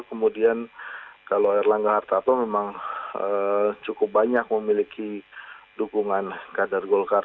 kemudian kalau erlangga hartarto memang cukup banyak memiliki dukungan kadar golkar